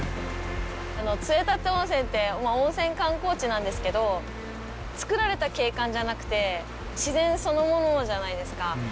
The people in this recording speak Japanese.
杖立温泉って、温泉観光地なんですけど、作られた景観じゃなくて、自然そのものじゃないですか。